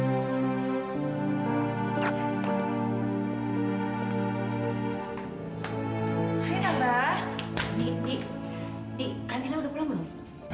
di di di tante lu udah pulang belum